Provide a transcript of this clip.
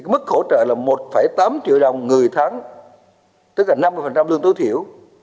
mức hỗ trợ là một tám triệu đồng người tháng tức là năm mươi lương tối thiểu